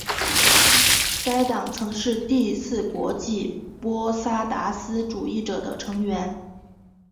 该党曾是第四国际波萨达斯主义者的成员。